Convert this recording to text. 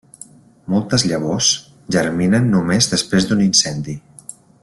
Moltes llavors germinen només després d'un incendi.